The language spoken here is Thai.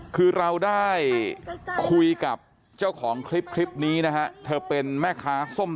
คือเราได้คุยกับเจ้าของคลิปคลิปนี้นะฮะเธอเป็นแม่ค้าส้ม